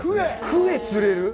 クエ釣れる？